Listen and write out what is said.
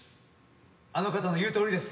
あの方の言うとおりです。